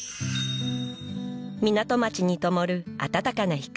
港町にともる温かな光